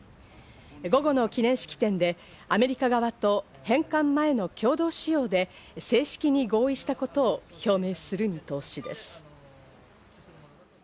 午後の記念式典で、アメリカ側と返還前の共同使用で正式に合意したことを表明する見通しです。